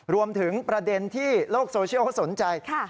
รวมถึงประเด็นที่โลกโซเชียลสนใจครับ